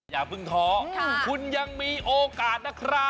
อย่าเพิ่งท้อคุณยังมีโอกาสนะครับ